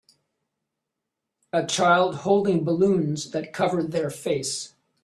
A child holding balloons that cover their face